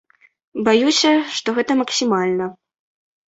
Баюся, што гэта максімальна.